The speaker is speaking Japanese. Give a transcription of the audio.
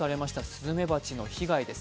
スズメバチの被害です。